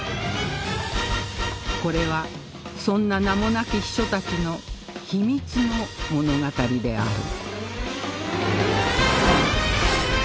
これはそんな名もなき秘書たちの秘密の物語である